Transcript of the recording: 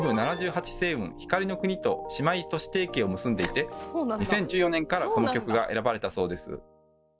星雲光の国」と姉妹都市提携を結んでいて２０１４年からこの曲が選ばれたそうです。